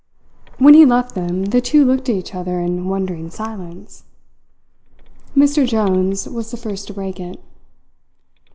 When he left them, the two looked at each other in wondering silence. My Jones was the first to break it.